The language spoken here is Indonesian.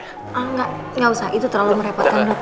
enggak enggak usah itu terlalu merepotkan